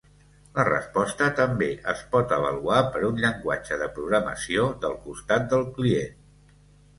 La resposta també es pot avaluar per un llenguatge de programació del costat del client.